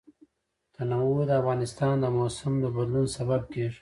تنوع د افغانستان د موسم د بدلون سبب کېږي.